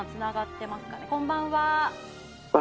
こんばんは。